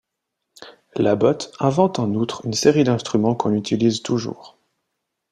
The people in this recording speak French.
Lambotte invente en outre une série d'instruments qu'on utilise toujours.